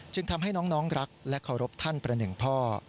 ทำให้น้องรักและเคารพท่านประหนึ่งพ่อ